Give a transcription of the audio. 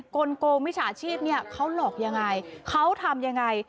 กลโกมิจฉาชีพเขาหลอกอย่างไรเขาทำอย่างไร